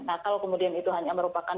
nah kalau kemudian itu hanya merupakan